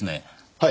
はい。